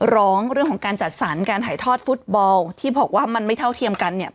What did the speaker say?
เรื่องของการจัดสรรการถ่ายทอดฟุตบอลที่บอกว่ามันไม่เท่าเทียมกันเนี่ย